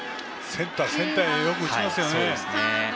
センターへよく打ちますよね。